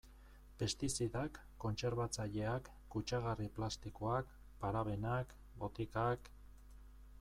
Pestizidak, kontserbatzaileak, kutsagarri plastikoak, parabenak, botikak...